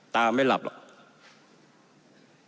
ไม่หลับหรอก